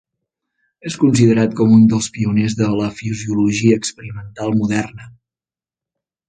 És considerat com un dels pioners de la fisiologia experimental moderna.